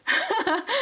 ハハハハ！